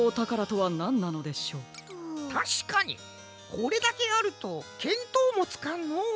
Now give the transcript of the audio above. これだけあるとけんとうもつかんのう。